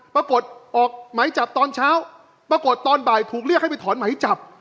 ปรากฏออกไหมจับตอนเช้าปรากฏตอนบ่ายถูกเรียกให้ไปถอนไหมจับ